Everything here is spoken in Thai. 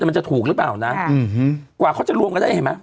แต่มันจะถูกหรือเปล่านะกว่าเขาจะรวมกันได้เห็นไหม